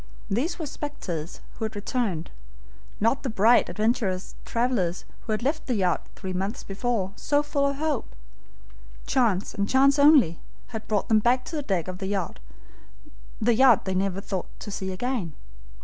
These were specters who had returned not the bright, adventurous travelers who had left the yacht three months before, so full of hope! Chance, and chance only, had brought them back to the deck of the yacht they never thought to see again.